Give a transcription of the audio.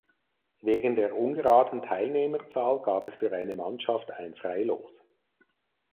Wegen der ungeraden Teilnehmerzahl gab es für eine Mannschaft ein Freilos.